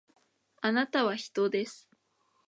あなたは人です